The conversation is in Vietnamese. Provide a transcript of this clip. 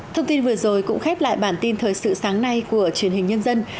thông tin vừa rồi cũng khép lại bản tin thời sự sáng nay của truyền hình nhân dân